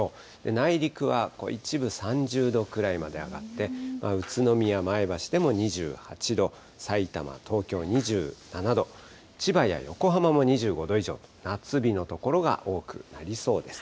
内陸は一部３０度くらいまで上がって、宇都宮、前橋でも２８度、さいたま、東京２７度、千葉や横浜も２５度以上、夏日の所が多くなりそうです。